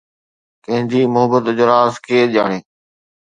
ڪنهن جي محبت جو راز ڪير ڄاڻي